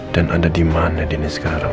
dan anda dimana denis sekarang